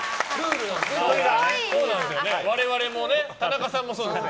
我々も、田中さんもそうですね。